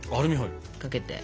かけて。